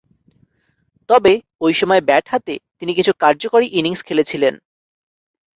তবে, ঐ সময়ে ব্যাট হাতে তিনি কিছু কার্যকরী ইনিংস খেলেছিলেন।